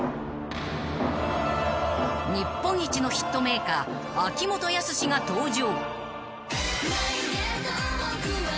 ［日本一のヒットメーカー秋元康が登場］